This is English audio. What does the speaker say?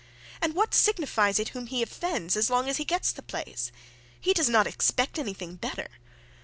And what signifies it when he offends, as long as he gets the place? He does not expect anything better.